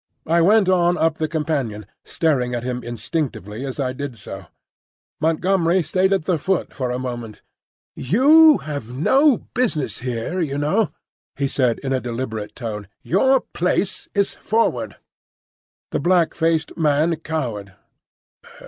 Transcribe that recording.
I went on up the companion, staring at him instinctively as I did so. Montgomery stayed at the foot for a moment. "You have no business here, you know," he said in a deliberate tone. "Your place is forward." The black faced man cowered.